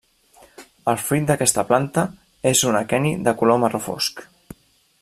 El fruit d'aquesta planta és un aqueni de color marró fosc.